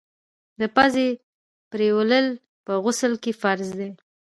د پزي پرېولل په غسل کي فرض دي.